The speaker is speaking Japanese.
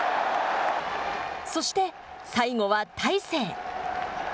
そして最後は大勢。